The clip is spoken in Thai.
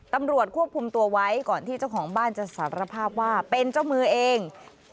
ตำรวจควบคุมตัวไว้ก่อนที่เจ้าของบ้านจะสารภาพว่าเป็นเจ้ามือเอง